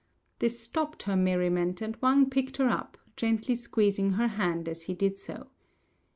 This stopped her merriment, and Wang picked her up, gently squeezing her hand as he did so.